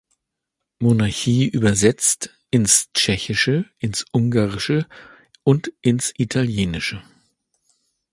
Monarchie übersetzt: ins Tschechische, ins Ungarische und ins Italienische.